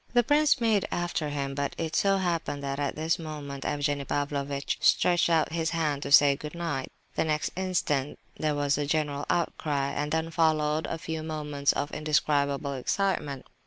The prince made after him, but it so happened that at this moment Evgenie Pavlovitch stretched out his hand to say good night. The next instant there was a general outcry, and then followed a few moments of indescribable excitement.